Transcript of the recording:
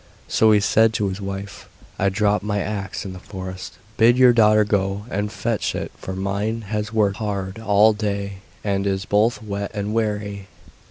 So he said to his wife: 'I have dropped my axe in the forest, bid your daughter go and fetch it, for mine has worked hard all day and is both wet and weary.